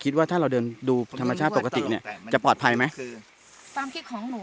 คิดว่าถ้าเราเดินดูธรรมชาติปกติเนี่ยจะปลอดภัยไหมคือความคิดของหนู